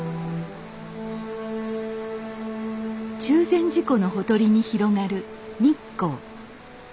中禅寺湖のほとりに広がる日光。